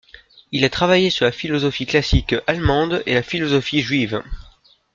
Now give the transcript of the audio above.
Il a travaillé sur la philosophie classique allemande et la philosophie juive.